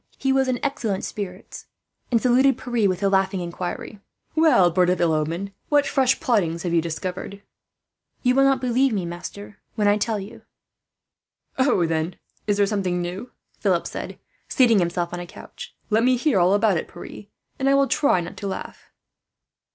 He was in excellent spirits, and saluted Pierre with the laughing inquiry: "Well, bird of ill omen, what fresh plottings have you discovered?" "You do not believe me, master, when I tell you," Pierre said gravely. "Oh, then, there is something new?" Philip said, seating himself on a couch. "Let me hear all about it, Pierre, and I will try not to laugh."